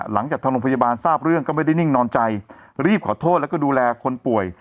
หลังจากทางโรงพยาบาลทราบเรื่องก็ไม่ได้นิ่งนอนใจรีบขอโทษแล้วก็ดูแลคนป่วย